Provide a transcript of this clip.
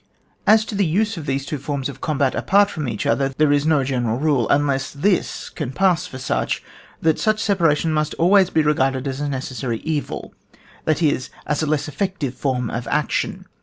As to the use of these two forma of combat apart from each other, there is no general rule, unless this can pass for such, that such separation must always be regarded as a necessary evil, that is, as a less effective form of action.